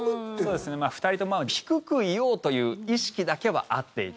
２人とも低くいようという意識だけは合っていた。